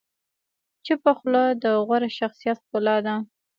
چپه خوله، د غوره شخصیت ښکلا ده.